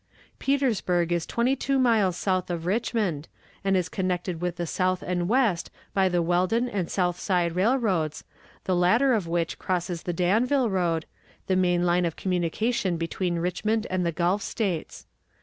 Petersburg is twenty two miles south of Richmond, and is connected with the south and west by the Weldon and Southside Railroads, the latter of which crosses the Danville Railroad, the main line of communication between Richmond and the Gulf States.